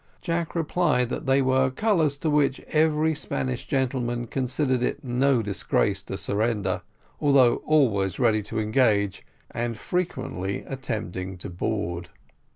Jack replied that they were colours to which every Spanish gentleman considered it no disgrace to surrender, although always ready to engage, and frequently at tempting to board.